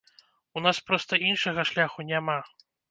У нас проста іншага шляху няма.